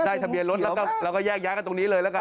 ได้ทะเบียนรถเราก็แยกย้างตรงนี้เลยละกัน